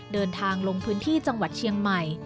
เดินทางลงพื้นที่จังหวัดเชียงใหม่